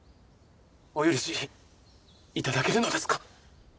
お許し頂けるのですか？